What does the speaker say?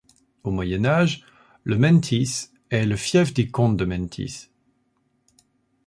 Au Moyen Âge, le Menteith est le fief des comtes de Menteith.